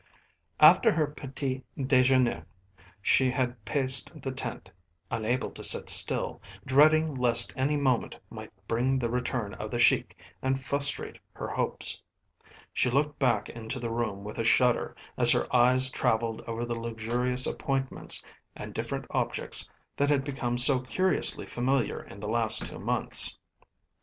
After her petit dejeuner she had paced the tent, unable to sit still, dreading lest any moment might bring the return of the Sheik and frustrate her hopes. She looked back into the room with a shudder as her eyes travelled over the luxurious appointments and different objects that had become so curiously familiar in the last two months.